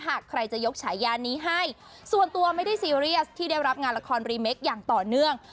หากใครจะยกฉายานี้ให้ส่วนตัวไม่ได้ซีเรียสที่ได้รับงานละครรีเมคอย่างต่อเนื่อง